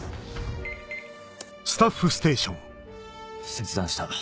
切断した。